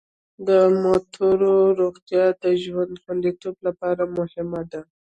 د موټرو روغتیا د ژوند خوندیتوب لپاره مهمه ده.